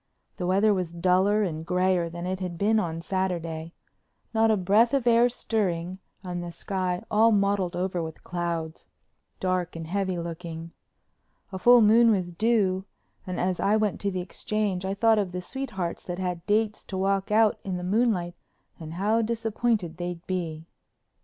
The weather was duller and grayer than it had been on Saturday, not a breath of air stirring and the sky all mottled over with clouds, dark and heavy looking. A full moon was due and as I went to the Exchange I thought of the sweethearts that had dates to walk out in the moonlight and how disappointed they'd be.